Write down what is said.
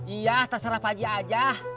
iya terserah padi aja